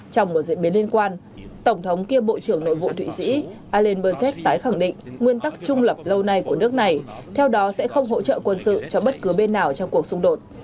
trong một diễn biến liên quan tổng thống kiêm bộ trưởng nội vụ thụy sĩ irelan berjev tái khẳng định nguyên tắc trung lập lâu nay của nước này theo đó sẽ không hỗ trợ quân sự cho bất cứ bên nào trong cuộc xung đột